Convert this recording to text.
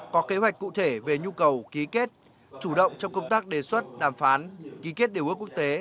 có kế hoạch cụ thể về nhu cầu ký kết chủ động trong công tác đề xuất đàm phán ký kết điều ước quốc tế